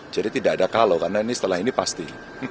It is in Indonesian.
jadi tidak ada kalau karena ini setelah ini pasti